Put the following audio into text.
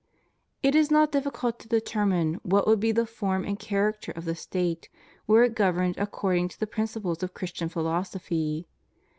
It is not difficult to determine what would be the form and character of the State were it governed according to the principles of Christian philosophy.